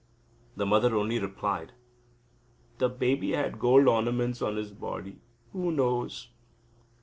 The mother only replied: "The baby had gold ornaments on his body. Who knows?"